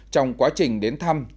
trong quá trình đến thăm